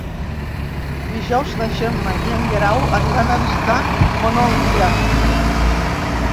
Dijous na Gemma i en Guerau aniran a visitar mon oncle.